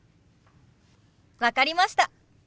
分かりました。